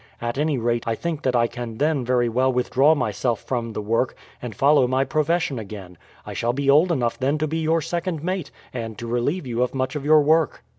At any rate I think that I can then very well withdraw myself from the work and follow my profession again. I shall be old enough then to be your second mate, and to relieve you of much of your work."